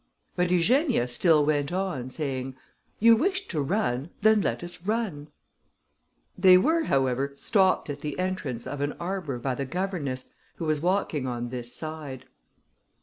But Eugenia still went on, saying, "You wished to run, then let us run." They were, however, stopped at the entrance of an arbour, by the governess, who was walking on this side.